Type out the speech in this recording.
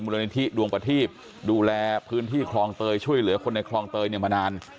นิธิดวงประทีบดูแลพื้นที่คลองเตยช่วยเหลือคนในคลองเตยเนี่ยมานาน